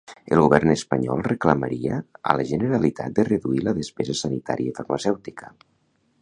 El govern espanyol reclamaria a la Generalitat de reduir la despesa sanitària i farmacèutica.